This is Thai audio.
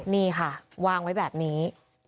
นี่ค่ะวางไว้แบบนี้